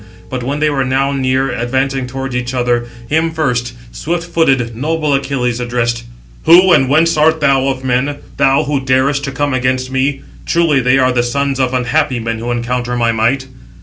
But when they were now near, advancing towards each other, him first swift footed, noble Achilles addressed: "Who, and whence art thou of men, thou who darest to come against me? Truly they are the sons of unhappy men who encounter my might."